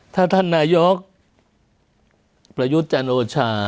ถ้าท่านนายกประยุทธ์จันโอชา